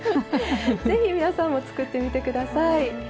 是非皆さんも作ってみて下さい。